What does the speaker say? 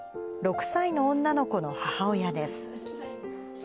６歳の女の子の母親です。